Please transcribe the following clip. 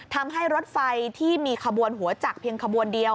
ทำให้รถไฟที่มีขบวนหัวจักรเพียงขบวนเดียว